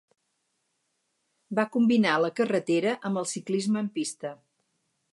Va combinar la carrereta amb el ciclisme en pista.